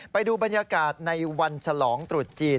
ไปดูบรรยากาศในวันฉลองตรุษจีน